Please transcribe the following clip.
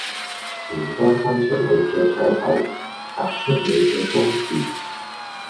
唔該伸出你嘅左手，突出你嘅中指